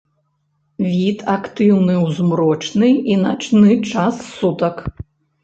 Від актыўны ў змрочны і начны час сутак.